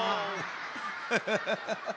ハハハハハッ。